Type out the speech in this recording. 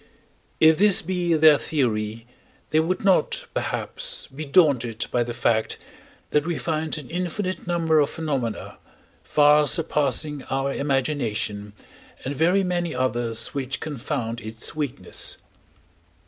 If this be their theory, they would not, perhaps, be daunted by the fact that we find an infinite number of phenomena, far surpassing our imagination, and very many others which confound its weakness.